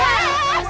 oh ini olahnya